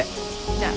じゃあ。